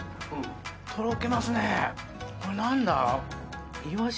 とろけますね。